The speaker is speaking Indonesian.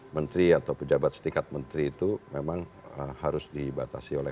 menteri atau pejabat setingkat menteri itu memang harus dibatasi oleh